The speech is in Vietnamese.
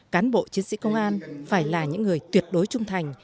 cán bộ chiến sĩ công an phải là những người tuyệt đối trung thành